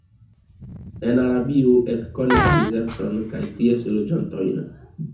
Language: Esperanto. En Arabio ekkonis dezerton kaj ties loĝantojn.